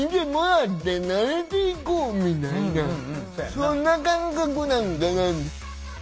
そんな感覚なんかな。